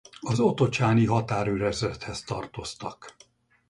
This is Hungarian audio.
Az otocsáni határőrezredhez tartoztak.